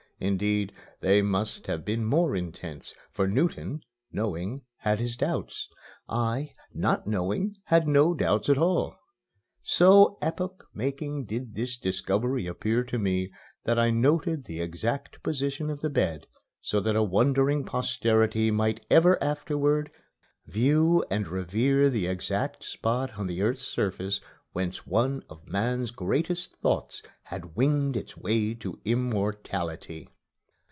Indeed, they must have been more intense, for Newton, knowing, had his doubts; I, not knowing, had no doubts at all. So epoch making did this discovery appear to me that I noted the exact position of the bed so that a wondering posterity might ever afterward view and revere the exact spot on the earth's surface whence one of man's greatest thoughts had winged its way to immortality.